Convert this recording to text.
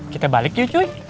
kita balik yuk cuy